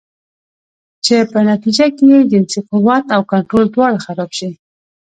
چې پۀ نتيجه کښې ئې جنسي قوت او کنټرول دواړه خراب شي